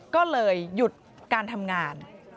ก็เลยหยุดการทำงาน